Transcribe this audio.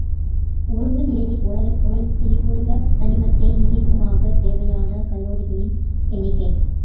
உருகு நிலையில் ஒரளவு பொருள் திணிவுள்ள தனிமத்தை நீர்மமாக்கத் தேவையான கலோரிகளின் எண்ணிக்கை.